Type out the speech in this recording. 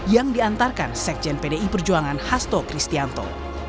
yang diantarkan sekjen pdi perjuangan hasto kristianto